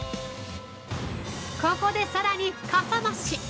ここでさらにかさ増し。